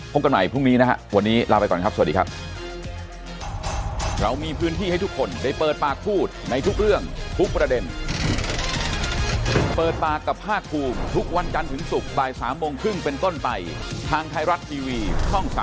กันใหม่พรุ่งนี้นะครับวันนี้ลาไปก่อนครับสวัสดีครับ